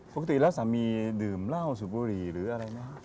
ปกติแล้วสามีดื่มเหล้าสูบบุหรี่หรืออะไรไหมครับ